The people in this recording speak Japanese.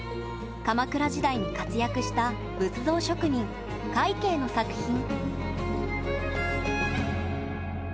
鎌倉時代に活躍した仏像職人快慶の作品。